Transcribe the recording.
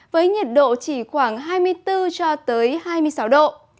với nhiệt độ chỉ khoảng hai mươi bốn cho tới hai mươi sáu độ